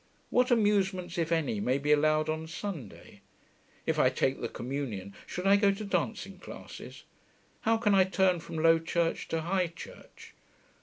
'What amusements, if any, may be allowed on Sunday?' 'If I take the Communion, should I go to dancing classes?' 'How can I turn from Low Church to High Church?'